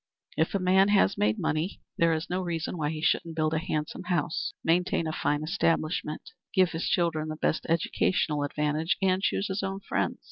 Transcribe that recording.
If a man has made money there is no reason why he shouldn't build a handsome house, maintain a fine establishment, give his children the best educational advantages, and choose his own friends.